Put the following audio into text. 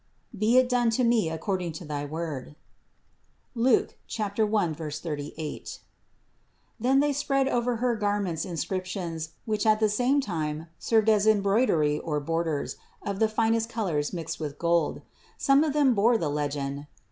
"Be it done to me ac cording to thy word" (Luke 1, 38). 82. Then they spread over her garment inscriptions, which at the same time served as embroidery or borders of the finest colors mixed with gold. Some of them bore the legend.